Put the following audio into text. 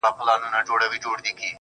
په يوه جـادو دي زمـــوږ زړونه خپل كړي.